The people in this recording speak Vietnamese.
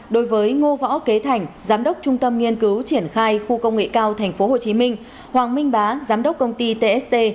đối với ngô võ kế thành giám đốc trung tâm nghiên cứu triển khai khu công nghệ cao tp hcm hoàng minh bá giám đốc công ty tst